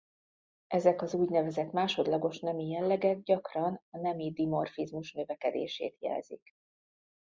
Ezek az úgynevezett másodlagos nemi jellegek gyakran a nemi dimorfizmus növekedését jelzik.